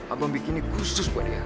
abang bikin ini khusus buat dia